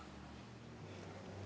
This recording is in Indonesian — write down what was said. terima kasih dok